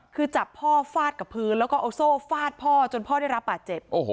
คือจับพ่อฟาดกับพื้นแล้วก็เอาโซ่ฟาดพ่อจนพ่อได้รับบาดเจ็บ